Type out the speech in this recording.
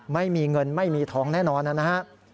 ไม่มีเงินไม่มีทองแน่นอนนะครับ